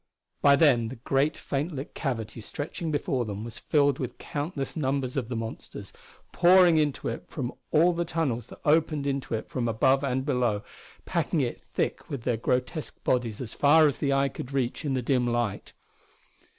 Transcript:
By then the great, faint lit cavity stretching before them was filled with countless numbers of the monsters, pouring into it from all the tunnels that opened into it from above and below, packing it thick with their grotesque bodies as far as the eye could reach in the dim light.